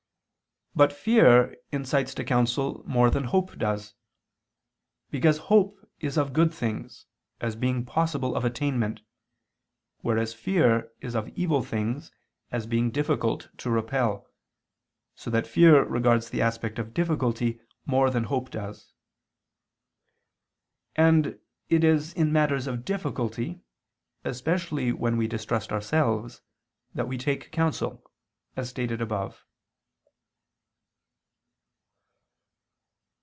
But fear incites to counsel more than hope does. Because hope is of good things, as being possible of attainment; whereas fear is of evil things, as being difficult to repel, so that fear regards the aspect of difficulty more than hope does. And it is in matters of difficulty, especially when we distrust ourselves, that we take counsel, as stated above.